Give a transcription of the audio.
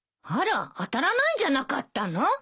あら当たらないんじゃなかったの？